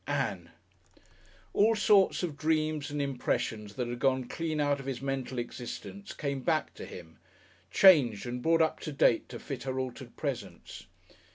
"Ann!" All sorts of dreams and impressions that had gone clean out of his mental existence came back to him, changed and brought up to date to fit her altered presence.